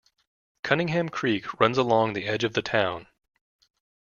Cunningham Creek runs along the edge of the town.